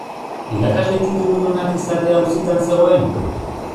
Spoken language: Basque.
Irakasle tituludunak izatea auzitan zegoen?